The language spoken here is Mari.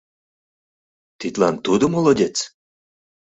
Тидлан тудо — молодец?